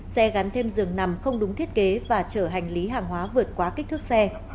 xe gắn thêm giường nằm không đúng thiết kế và chở hành lý hàng hóa vượt quá kích thước xe